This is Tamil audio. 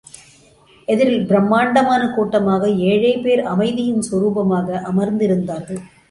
எதிரில் பிரம்மாண்டமான கூட்டமாக ஏழேபேர் அமைதியின் சொரூபமாக அமர்ந்திருந்தார்கள்.